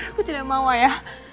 aku tidak mau ayah